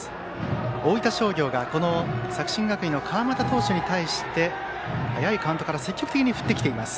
大分商業が作新学院の川又投手に対して早いカウントから積極的に振ってきています。